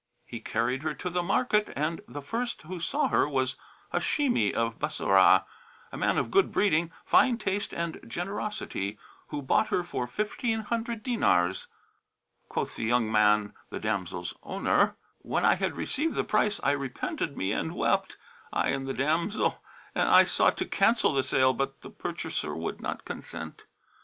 He carried her to the market and the first who saw her was a Hashimi[FN#37] of Bassorah, a man of good breeding, fine taste and generosity, who bought her for fifteen hundred dinars. (Quoth the young man, the damsel's owner), "When I had received the price, I repented me and wept, I and the damsel; and I sought to cancel the sale; but the purchaser would not consent.